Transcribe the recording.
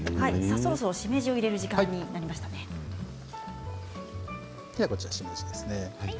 そろそろしめじを入れる時間になりましたね。